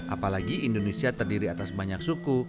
apalagi indonesia terdiri atas banyak suku